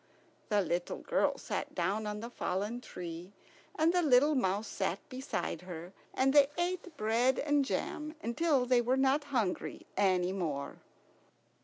The little girl sat down on the fallen tree, and the little mouse sat beside her, and they ate bread and jam until they were not hungry any more.